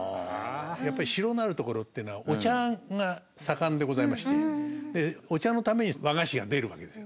やっぱり城のあるところというのはお茶が盛んでございましてお茶のために和菓子が出るわけですよ。